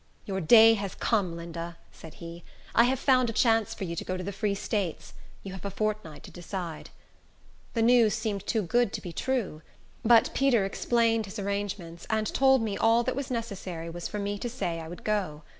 "Your day has come, Linda," said he. "I have found a chance for you to go to the Free States. You have a fortnight to decide." The news seemed too good to be true; but Peter explained his arrangements, and told me all that was necessary was for me to say I would go.